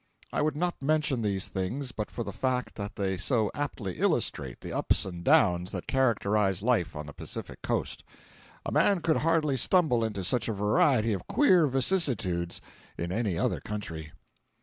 I would not mention these things but for the fact that they so aptly illustrate the ups and downs that characterize life on the Pacific coast. A man could hardly stumble into such a variety of queer vicissitudes in any other country.